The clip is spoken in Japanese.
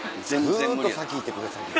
ずっと「先行ってください」。